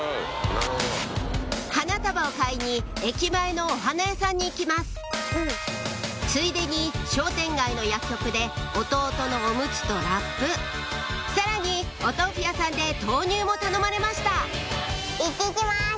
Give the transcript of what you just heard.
花束を買いに駅前のお花屋さんに行きますついでに商店街の薬局で弟のオムツとラップさらにお豆腐屋さんで豆乳も頼まれました